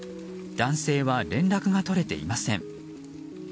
男性は連絡が取れていません。